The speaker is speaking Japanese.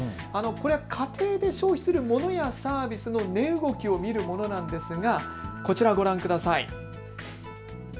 これは家庭で消費するモノやサービスの値動きを見るものなんですが、こちらご覧ください。